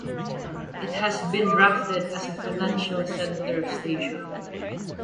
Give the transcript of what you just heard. It has been drafted as Financial Center station.